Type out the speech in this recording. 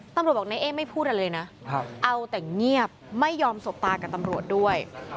ตำรวจบอกนายเอ๊ไม่พูดอะไรเลยนะเอาแต่เงียบไม่ยอมสบตากับตำรวจด้วย